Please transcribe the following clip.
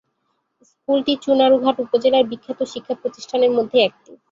স্কুলটি চুনারুঘাট উপজেলার বিখ্যাত শিক্ষা প্রতিষ্ঠানের মধ্যে একটি।